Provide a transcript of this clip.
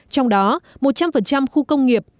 trong đó một trăm linh khu công nghiệp